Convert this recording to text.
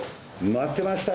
待ってました！